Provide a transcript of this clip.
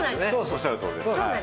おっしゃるとおりです。